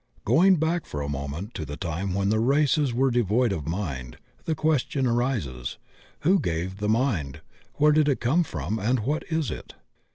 Going back for a moment to the time when the races were devoid of mind, the ques tion arises, "who gave the mind, where did it come from, and what is it?"